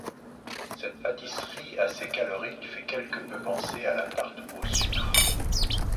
Cette pâtisserie assez calorique fait quelque peu penser à la tarte au sucre.